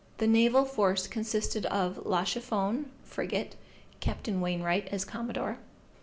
The naval force consisted of La Chiffone, frigate, Capt. Wainwright, as commodore.